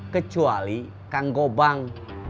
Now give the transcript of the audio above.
kecuali kang gobang